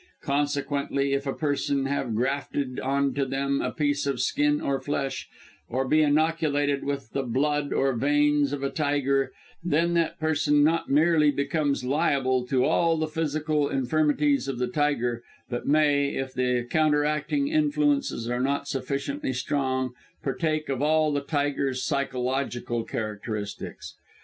Consequently, if a person have grafted on to them a piece of skin or flesh, or be inoculated with the blood or veins of a tiger then that person not merely becomes liable to all the physical infirmities of the tiger, but may if the counteracting influences are not sufficiently strong partake of all the tiger's psychological characteristics.